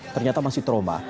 ternyata masih trauma